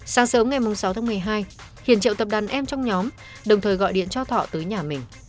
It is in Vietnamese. sáng sớm ngày sáu tháng một mươi hai hiền triệu tập đàn em trong nhóm đồng thời gọi điện cho thọ tới nhà mình